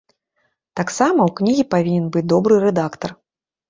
Таксама ў кнігі павінен быць добры рэдактар.